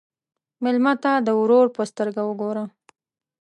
مېلمه ته د ورور په سترګه وګوره.